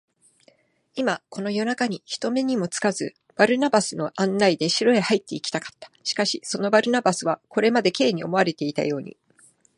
今、この夜なかに、人目にもつかず、バルナバスの案内で城へ入っていきたかった。しかし、そのバルナバスは、これまで Ｋ に思われていたように、